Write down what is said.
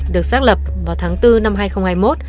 được xác lập vào tháng bốn năm hai nghìn hai mươi một